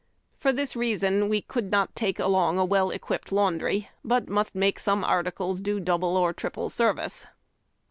For this reason we could not take along a well equipped laundry, but must make some articles do double or triple service.